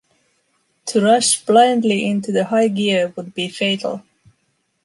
To rush blindly into the high gear would be fatal.